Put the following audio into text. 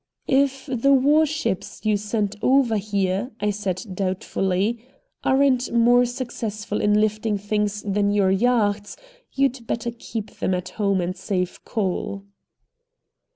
"If the war ships you send over here," I said doubtfully, "aren't more successful in lifting things than your yachts, you'd better keep them at home and save coal!"